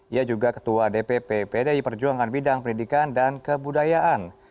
ia juga ketua dpp pdi perjuangan bidang pendidikan dan kebudayaan